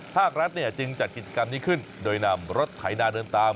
ภาครัฐจึงจัดกิจกรรมนี้ขึ้นโดยนำรถไถนาเดินตาม